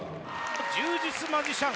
柔術マジシャン